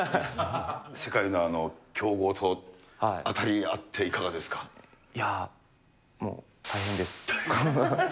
世界の強豪と当たり合って、いや、もう大変です。